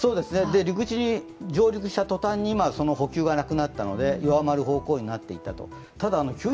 陸地に上陸した途端に、今、その補給がなくなったので、弱まる方向になっていったと。